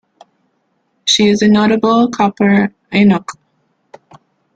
She is a notable Copper Inuk.